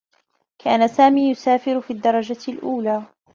كان سامي يسافر في الدّرجة الأولى.